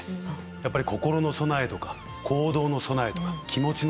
やっぱり心の備えとか行動の備えとか気持ちの備え。